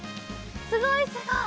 すごいすごい！